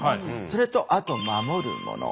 それとあと守るもの。